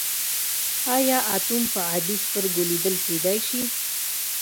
ایا اتوم په عادي سترګو لیدل کیدی شي.